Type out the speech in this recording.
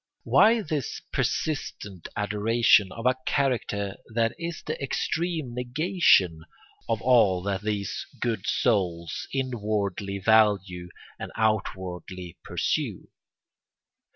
Why this persistent adoration of a character that is the extreme negation of all that these good souls inwardly value and outwardly pursue?